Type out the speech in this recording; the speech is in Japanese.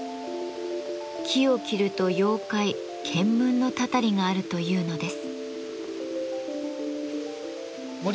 木を切ると妖怪・ケンムンのたたりがあるというのです。